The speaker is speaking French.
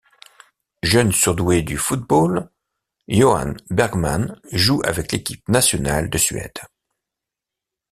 Jeune surdoué du football, Johan Bergman joue avec l'équipe nationale de Suède.